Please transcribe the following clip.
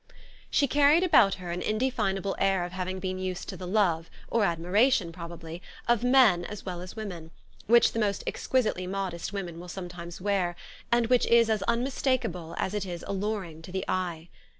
She carried about her an indefinable air of having been used to the love, or admiration probably, of men .as well as women, which the most exquisitely modest women will sometimes wear, and which is as unmis takable as it is alluring to the eye.